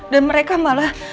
dan mereka malah